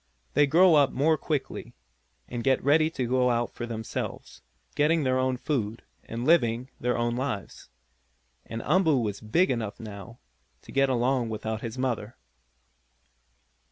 They grow up more quickly, and get ready to go about for themselves, getting their own food, and living their own lives. And Umboo was big enough, now, to get along without his mother.